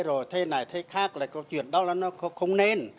rồi thế này thế khác là có chuyện đó là nó không nên